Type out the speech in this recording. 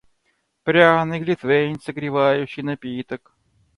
Пряный глинтвейн - согревающий напиток.